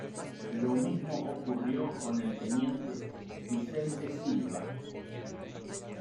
Lo mismo ocurrió con el teniente Vicente Silva.